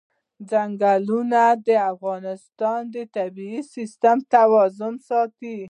ځنګلونه د افغانستان د طبعي سیسټم توازن ساتي.